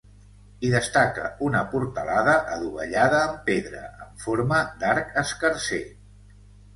Hi destaca una portalada adovellada en pedra, en forma d'arc escarser.